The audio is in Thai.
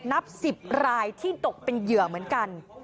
นับ๑๐รายที่ตกเป็นเหยื่อเหมือนกัน